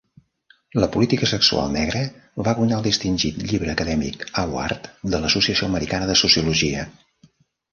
"La política sexual negra" va guanyar el distingit llibre acadèmic Award de l'Associació Americana de Sociologia.